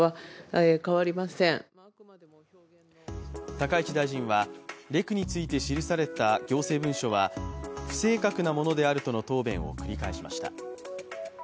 高市大臣は、レクについて記された行政文書は不正確なものであるとの答弁を繰り返しました。